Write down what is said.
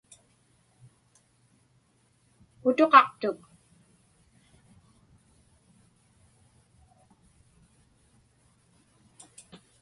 Putuqaqtuk.